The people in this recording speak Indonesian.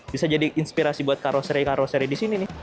bisa jadi inspirasi buat karoseri karoseri di sini nih